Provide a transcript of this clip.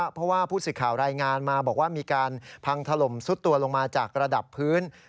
เพราะว่าผู้สื่อข่าวรายงานมาบอกว่ามีการพังถล่มซุดตัวลงมาจากระดับพื้น